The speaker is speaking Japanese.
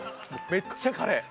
めっちゃカレー。